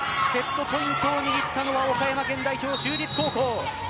セットポイントを握ったのは岡山県代表・就実高校。